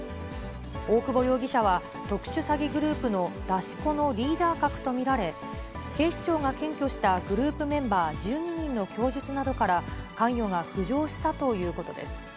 大久保容疑者は特殊詐欺グループの出し子のリーダー格と見られ、警視庁が検挙したグループメンバー１２人の供述などから、関与が浮上したということです。